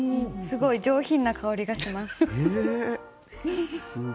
すごい上品な香りがします。